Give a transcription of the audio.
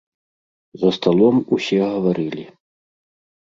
За сталом усё гаварылі.